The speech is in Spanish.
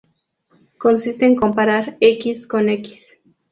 Consiste en comparar "x" con "x".